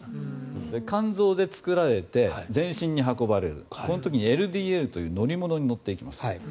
肝臓で作られて全身に運ばれるこの時にＬＤＬという乗り物に乗っていきます。